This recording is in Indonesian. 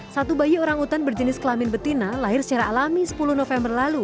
satu bayi orangutan berjenis kelamin betina lahir secara alami sepuluh november lalu